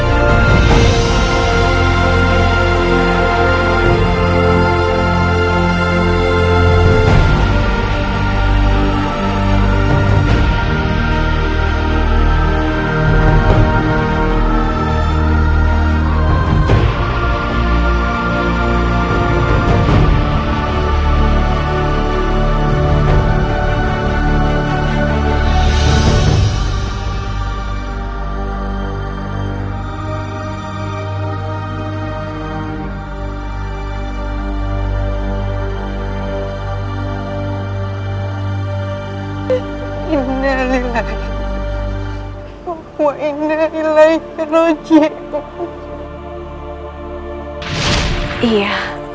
kapan dipanggil oleh allah